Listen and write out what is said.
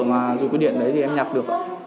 mà dùng cái điện đấy thì em nhặt được